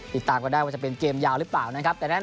ติดตามก็ได้ว่าจะเป็นเกมยาวหรือเปล่านะครับ